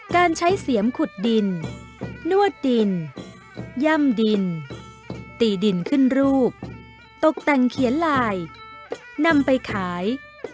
การใช้เสียมขุดดินนวดดินย่ำดินตีดินขึ้นรูปตกแต่งเขียนลายนำไปขาย